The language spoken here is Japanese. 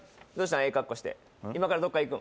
ええ格好して今からどっか行くん？